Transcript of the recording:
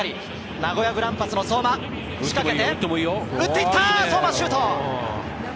名古屋グランパスの相馬、仕掛けて打っていった、相馬シュート！